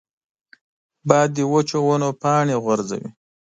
باد د وچو ونو پاڼې غورځوي